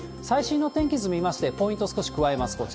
最新の天気図見まして、ポイント少し加えます。